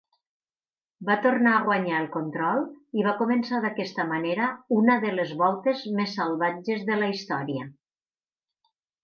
Va tornar a guanyar el control i va començar d'aquesta manera una de les voltes més salvatges de la història.